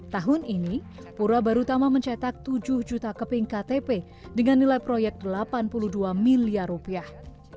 tahun ini pura barutama mencetak tujuh juta keping ktp dengan nilai proyek delapan puluh dua miliar rupiah